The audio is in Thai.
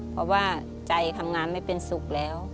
เพราะว่าใจทำงานไม่เป็นสุขแล้ว